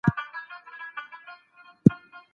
د کار پر وخت فکر باید یواځې د کار لپاره وي.